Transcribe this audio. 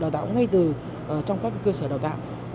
đào tạo ngay từ trong các cơ sở đào tạo